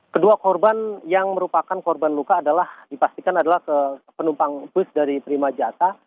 kedua korban yang merupakan korban luka adalah dipastikan adalah penumpang bus dari prima jata